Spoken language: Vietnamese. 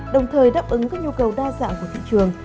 đồng thời đáp ứng các nhu cầu đa dạng của thị trường